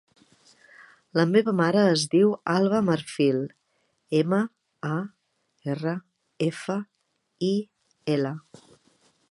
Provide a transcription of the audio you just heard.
La meva mare es diu Albà Marfil: ema, a, erra, efa, i, ela.